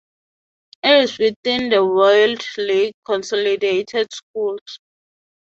It is within the Walled Lake Consolidated Schools.